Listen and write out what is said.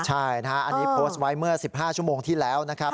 ใช่นะฮะอันนี้โพสต์ไว้เมื่อ๑๕ชั่วโมงที่แล้วนะครับ